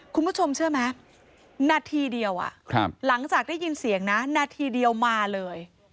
คุณผู้ชมเชื่อไหมนาทีเดียวหลังจากได้ยินเสียงนะนาทีเดียวมาเลย